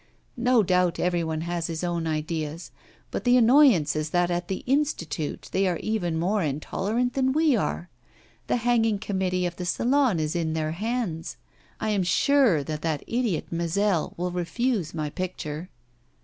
'No doubt every one has his own ideas; but the annoyance is that at the Institute they are even more intolerant than we are. The hanging committee of the Salon is in their hands. I am sure that that idiot Mazel will refuse my picture.